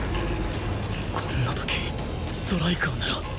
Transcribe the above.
こんな時ストライカーなら